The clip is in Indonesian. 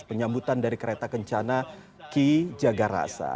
penyambutan dari kereta kencana ki jagarasa